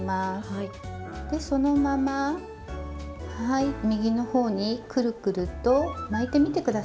でそのままはい右の方にくるくると巻いてみて下さい。